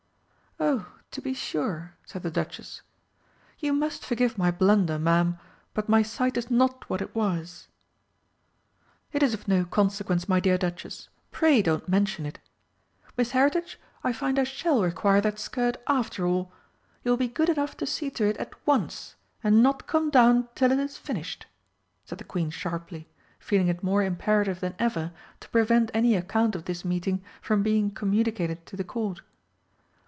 "Oh, to be sure," said the Duchess. "You must forgive my blunder, Ma'am, but my sight is not what it was." "It is of no consequence, my dear Duchess pray don't mention it. Miss Heritage, I find I shall require that skirt after all. You will be good enough to see to it at once, and not come down till it is finished," said the Queen sharply, feeling it more imperative than ever to prevent any account of this meeting from being communicated to the Court....